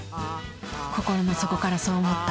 心の底からそう思った。